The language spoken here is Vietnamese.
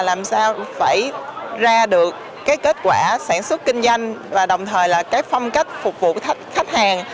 làm sao phải ra được cái kết quả sản xuất kinh doanh và đồng thời là cái phong cách phục vụ khách hàng